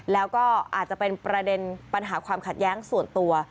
แล้วก็อาจจะเป็นประเด็นปัญหาความขัดแย้งส่วนตัว